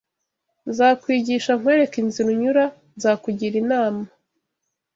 Nzakwigisha nkwereke inzira unyura, nzakugira inama